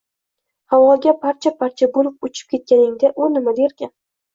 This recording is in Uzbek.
Havoga parcha-parcha bo`lib uchib ketganingda, u nima derkin